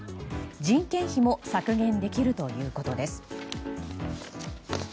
人件費も削減できるということです。